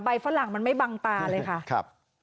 ฝรั่งมันไม่บังตาเลยค่ะครับ